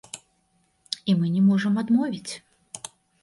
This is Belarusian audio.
І мы не можам адмовіць.